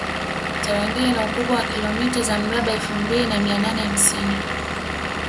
tarangire ina ukubwa wa kilomita za mraba elfu mbili na mia nane hamsini